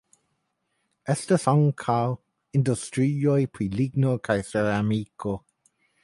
Estas ankaŭ industrioj pri ligno kaj ceramiko.